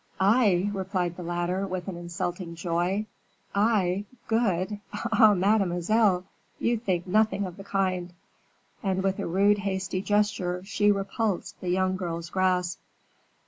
"I!" replied the latter, with an insulting joy, "I good! Ah, mademoiselle, you think nothing of the kind;" and with a rude, hasty gesture she repulsed the young girl's grasp.